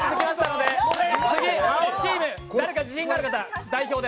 青チーム、誰か自信のある方代表で。